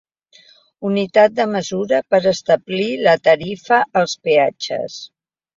Unitat de mesura per establir la tarifa als peatges.